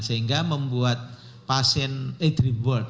sehingga membuat pasien eh dreamworld